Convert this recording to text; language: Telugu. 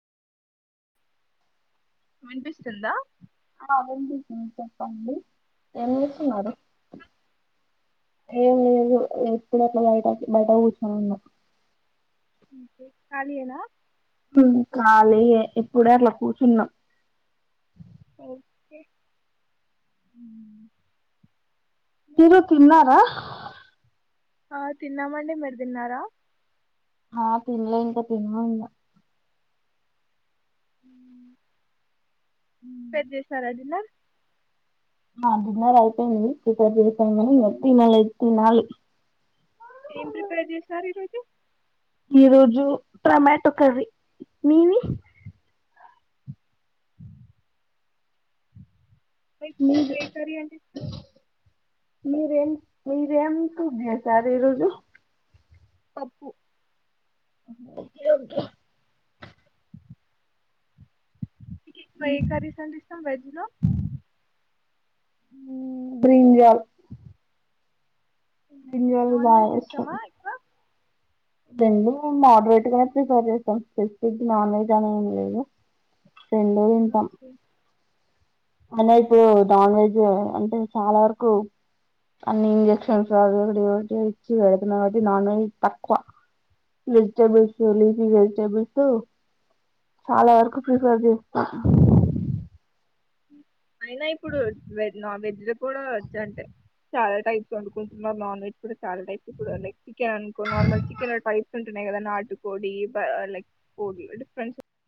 వినిపిస్తుందా ఆ విన్పిస్సుంది చెప్పండి. ఏం లేదు ఇప్పుడే అట్లా బయటకి బయట కూర్చోనున్న ఇంకే కలియేనా ఉ కాలియే ఇప్పుడే అట్లా కూచ్చున్నా ఓకే హ్మ్ మీరు తిన్నారా ఆ తిన్నామండి మీరు దిన్నారా ఆ తిన్నలే ఇంకా తిన్నల్ల ఉ పేర్ జేసినారు డిన్నర్ ఆ డిన్నర్ అయ్పేంది. ప్రిపేర్ జేసినం గానీ ఇంగ తినాల్ తినాలి ఏం ప్రిపేర్ జేస్నారు ఈ రోజు ఈ రోజు టొమాటో కర్రీ మీది మీకు మీది ఏ కర్రీ అంటే ఇష్టం మీరేం మీరుం సూప్ చేసారు ఈరోజు పప్పు ఓకే ఓకే ఎక్కవ ఏ కర్రీస్ అంటే ఇష్టం వెజ్ లో బ్రీంజల్ బ్రింజల్ నాన్ బాగా వెజ్ ఇష్టం ఇష్టమా ఎక్కువ రెండూ మోడరేట్ గానే ప్రిఫర్ చేస్తాం స్పెసిఫిక్ నాన్ వెజ్ అని ఏం లేదు రెండూ తింటాం ఓకే అన్నయ్యకు నాన్ వెజ్ అంటే చాలా వరకు అన్ని ఇంజక్షన్స్ అవొకటి ఇవొకటి ఇచ్చి పెడుతున్నారు కాబట్టి నాన్ వెజ్ తక్కువ వెజిటబుల్స్ లీఫీ వెజిటబుల్స్ చాలా వరకు ప్రిఫర్ చేస్త హ [unintelligible] అయినా ఇప్పుడు వెజ్ నాన్ వె ఇది కూడా వచ్ అంటే చాలా టైప్స్ వండుకుంటున్నారు నాన్ వెజ్ కూడ్ చాలా టైప్స్ కుడ్ లైక్ చికెన్ ఇంకో నార్మల్ చికెన్ టైప్ టున్నాయి కదా నాటుకోడి బా లైక్ కోడి డిఫరెంట్స్